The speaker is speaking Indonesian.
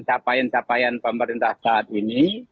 capaian capaian pemerintah saat ini